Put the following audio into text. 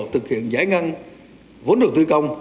thực hiện giải ngân vốn đầu tư công